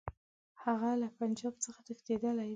هغه له پنجاب څخه تښتېدلی دی.